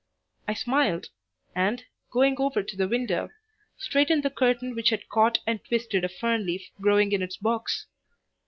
I smiled and, going over to the window, straightened the curtain which had caught and twisted a fern leaf growing in its box.